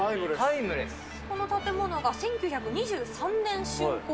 この建物が１９２３年竣工。